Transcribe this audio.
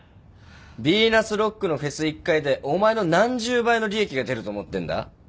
ビーナスロックのフェス１回でお前の何十倍の利益が出ると思ってんだ？